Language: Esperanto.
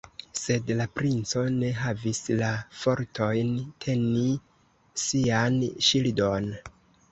Sed la princo ne havis la fortojn teni sian ŝildon.